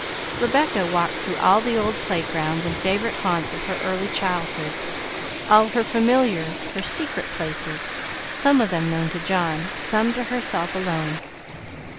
Rebecca walked through all the old playgrounds and favorite haunts of her early childhood; all her familiar, her secret places; some of them known to John, some to herself alone.